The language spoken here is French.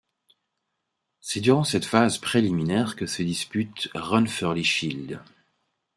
C'est durant cette phase préliminaire que se dispute le Ranfurly Shield.